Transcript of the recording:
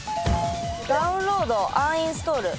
ダウンロードアンインストール。